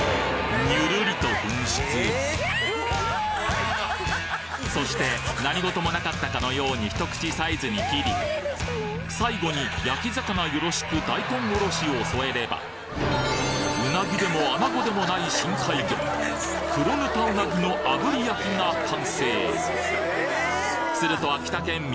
ニュルリと噴出そして何事もなかったかのように一口サイズに切り最後に焼き魚よろしく大根おろしを添えればウナギでもアナゴでもない深海魚クロヌタウナギの炙り焼きが完成すると秋田県民